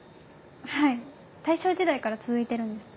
はい大正時代から続いてるんです。